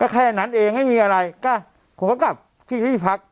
แค่นั้นเองไม่มีอะไรก็ผมก็กลับที่ที่พัก